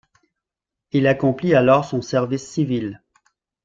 Il accomplit alors son service civil.